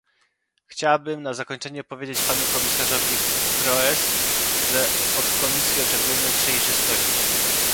Chciałabym na zakończenie powiedzieć panu komisarzowi Kroes, że od Komisji oczekujemy przejrzystości